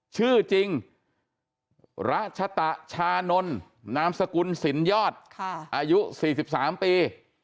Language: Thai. ชื่อจริงรัชตะชานนท์นามสกุลสินยอดอายุ๔๓ปี